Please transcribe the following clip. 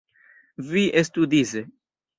Vi estu dise.